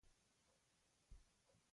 نیمروز ولې تر ټولو ګرم ولایت دی؟